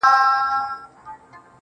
په زړه يې هر نقش سوی تور د قرآن وځي~